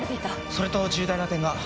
それと重大な点が。